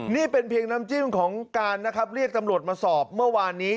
นี่เป็นเพียงน้ำจิ้มของการนะครับเรียกตำรวจมาสอบเมื่อวานนี้